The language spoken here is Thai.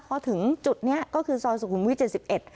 เพราะถึงจุดนี้ก็คือซสกุลวิทย์๗๑